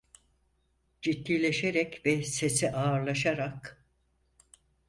Ciddileşerek ve sesi ağırlaşarak...